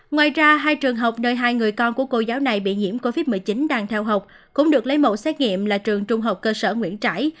ngoài ra hai trường học nơi hai người con của cô giáo này bị nhiễm covid một mươi chín đang theo học cũng được lấy mẫu xét nghiệm là trường trung học cơ sở nguyễn trãi